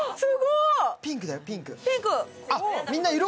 ピンクだよ、ピンク。